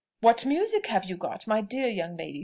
"What music have you got, my dear young lady?"